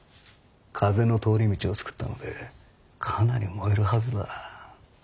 風の通り道を作ったのでかなり燃えるはずだ。